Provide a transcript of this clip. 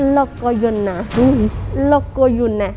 ละกะยุนนะ